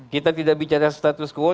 kita tidak bicara status quo